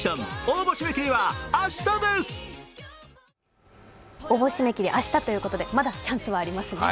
応募締め切り、明日ということでまだチャンスはありますね。